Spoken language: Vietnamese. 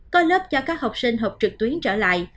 có lớp cho các học sinh học trực tuyến trở lại